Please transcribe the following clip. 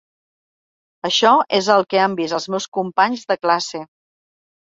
Això és el que han vist els meus companys de classe.